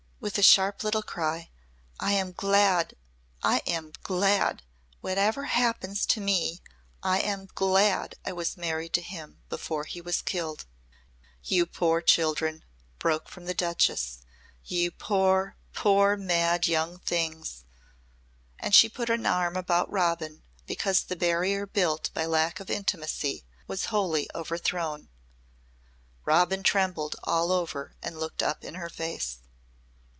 with a sharp little cry, "I am glad I am glad! Whatever happens to me I am glad I was married to him before he was killed!" "You poor children!" broke from the Duchess. "You poor poor mad young things!" and she put an arm about Robin because the barrier built by lack of intimacy was wholly overthrown. Robin trembled all over and looked up in her face.